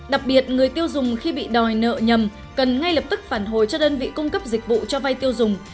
đặc biệt người tiêu dùng khi bị đòi nợ nhầm cần ngay lập tức phản hồi cho đơn vị cung cấp dịch vụ cho vay tiêu dùng